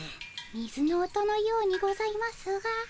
水の音のようにございますが。